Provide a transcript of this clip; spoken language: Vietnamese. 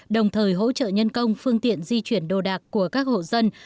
đồng thời hỗ trợ nhân công phương tiện di chuyển đồ đạc của các hộ dân